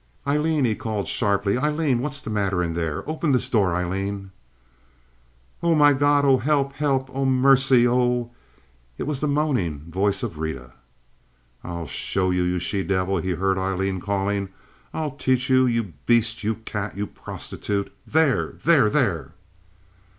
"Aileen!" he called, sharply. "Aileen! What's the matter in there? Open this door, Aileen!" "Oh, my God! Oh, help! help! Oh, mercy—o o o o oh!" It was the moaning voice of Rita. "I'll show you, you she devil!" he heard Aileen calling. "I'll teach you, you beast! You cat, you prostitute! There! there!